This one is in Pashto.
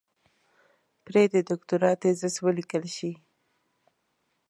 پرې د دوکتورا تېزس وليکل شي.